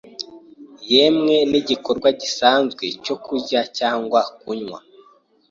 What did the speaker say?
yemwe n’igikorwa gisanzwe cyo kurya cyangwa kunywa